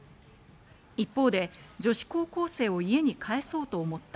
一方で女子高校生を家に帰そうと思った。